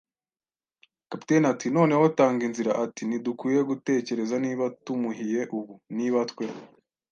Kapiteni ati: “Noneho, tanga inzira.” Ati: “Ntidukwiye gutekereza niba tumuhiye ubu. Niba twe